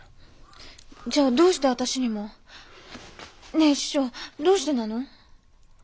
じゃどうして私にも？ねえ師匠どうしてなの？